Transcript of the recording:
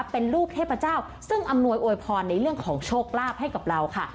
เป็นรูปเทพเจ้าซึ่งอำนวยอวยพรในเรื่องของโชคลาภให้กับเราค่ะ